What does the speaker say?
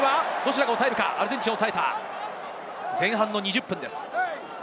前半２０分です。